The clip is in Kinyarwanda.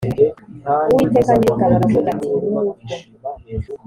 uwiteka nyiringabo aravuga ati nubwo